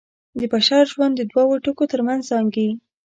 د بشر ژوند د دوو ټکو تر منځ زانګي.